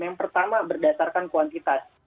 yang pertama berdasarkan kuantitas